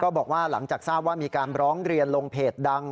บอกว่าหลังจากทราบว่ามีการร้องเรียนลงเพจดัง